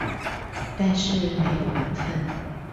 但是沒有緣分